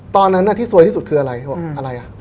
ตอนนั้นที่สวยที่สุดคืออะไร